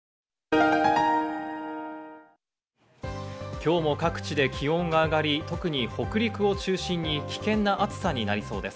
今日も各地で気温が上がり、特に北陸を中心に危険な暑さになりそうです。